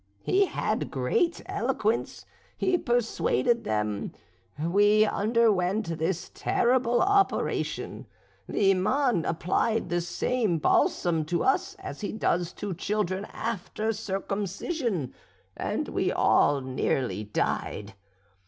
"He had great eloquence; he persuaded them; we underwent this terrible operation. The Iman applied the same balsam to us, as he does to children after circumcision; and we all nearly died.